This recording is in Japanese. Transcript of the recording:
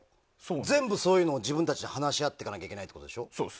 全部そういうのを自分たちで話し合っていかないといけないってことでしょ。